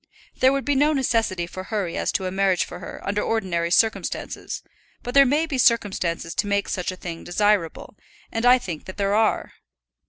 There would be no necessity for hurry as to a marriage for her under ordinary circumstances, but there may be circumstances to make such a thing desirable, and I think that there are."